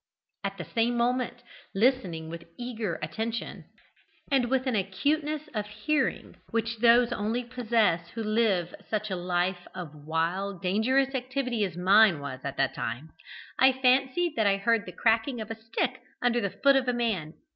At the same moment, listening with eager attention, and with an acuteness of hearing which those only possess who live such a life of wild, dangerous activity as mine was at that time, I fancied that I heard the cracking of a stick under the foot of man.